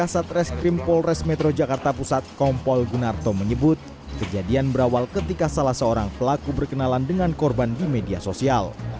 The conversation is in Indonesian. satreskrim polres metro jakarta pusat kompol gunarto menyebut kejadian berawal ketika salah seorang pelaku berkenalan dengan korban di media sosial